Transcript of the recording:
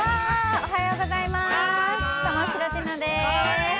おはようございます！